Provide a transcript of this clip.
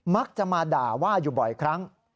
มักจะมาด่าว่าอยู่บ่อยครั้ง